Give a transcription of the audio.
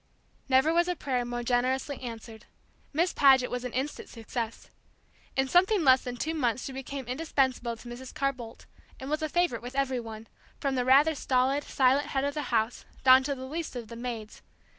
Never was a prayer more generously answered. Miss Paget was an instant success. In something less than two months she became indispensable to Mrs. Carr Boldt, and was a favorite with every one, from the rather stolid, silent head of the house down to the least of the maids.